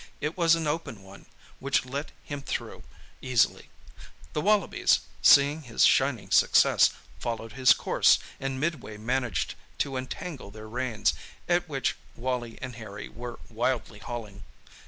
It was an open one, which let him through easily. The wallabies, seeing his shining success, followed his course, and midway managed to entangle their reins, at which Wally and Harry were wildly hauling.